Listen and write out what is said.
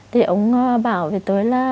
thì ông bảo với tôi là